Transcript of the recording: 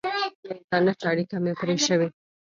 د انټرنېټ اړیکه مې پرې شوې.